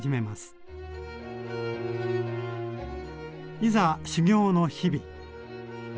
いざ修業の日々！